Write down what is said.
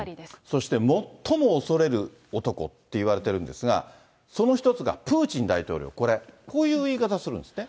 そして最も恐れる男って言われてるんですが、その一つがプーチン大統領、これ、こういう言い方をするんですって。